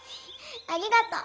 ありがとう。